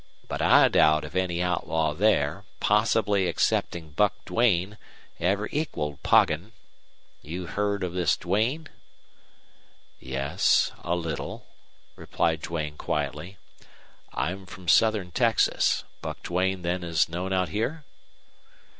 But I doubt if any outlaw there, possibly excepting Buck Duane, ever equaled Poggin. You've heard of this Duane?" "Yes, a little," replied Duane, quietly. "I'm from southern Texas. Buck Duane then is known out here?"